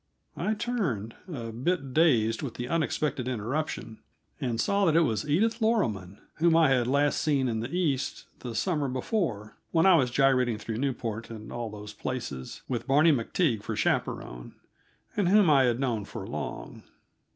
I turned, a bit dazed with the unexpected interruption, and saw that it was Edith Loroman, whom I had last seen in the East the summer before, when I was gyrating through Newport and all those places, with Barney MacTague for chaperon, and whom I had known for long.